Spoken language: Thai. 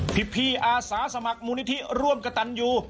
พี่อาสาสมัครมูลนิธิร่วมกระตันยู